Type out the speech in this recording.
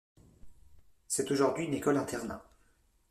C'est aujourd'hui une école-internat.